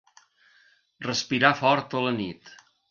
Respirar fort a la nit.